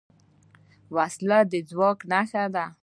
وسله د ځواک نښه ده